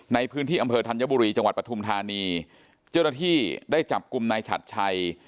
ในพื้นที่อำเภอธัญบุรีจังหวัดปฐุมธานีเจ้าหน้าที่ได้จับกลุ่มนายฉัดชัย